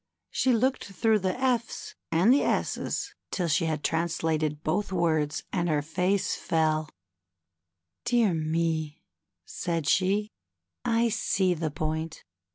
She looked through the F's and S's till she had translated both words, and her face fell. ^^Dear me," said she, I see the point.